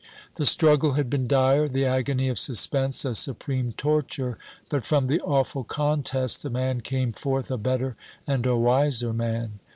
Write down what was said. The struggle had been dire, the agony of suspense a supreme torture; but from the awful contest the man came forth a better and a wiser man.